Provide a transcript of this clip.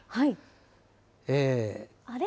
あれ？